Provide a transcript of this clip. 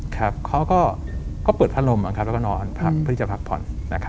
เขาก็เปิดพัดลมแล้วก็นอนเพื่อที่จะพักผ่อน